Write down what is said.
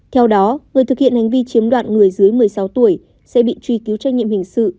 theo đó người thực hiện hành vi chiếm đoạt người dưới một mươi sáu tuổi sẽ bị truy cứu trách nhiệm hình sự